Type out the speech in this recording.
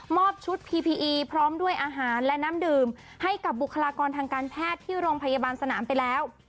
ชุดพีพีอีพร้อมด้วยอาหารและน้ำดื่มให้กับบุคลากรทางการแพทย์ที่โรงพยาบาลสนามไปแล้ว